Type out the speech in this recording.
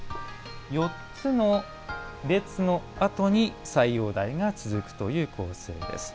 ４つの列のあとに斎王代が続くという構成です。